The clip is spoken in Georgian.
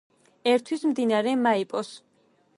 ერთვის მდინარე მაიპოს.